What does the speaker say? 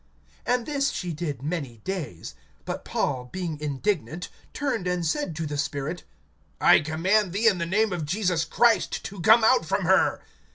(18)And this she did many days. But Paul, being indignant[16:18], turned and said to the spirit: I command thee in the name of Jesus Christ to come out from her.